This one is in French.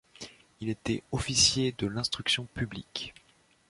Il était Officier de l'instruction publique.